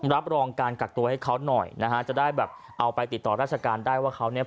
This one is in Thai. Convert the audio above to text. รับรองการกักตัวให้เขาหน่อยนะฮะจะได้แบบเอาไปติดต่อราชการได้ว่าเขาเนี่ย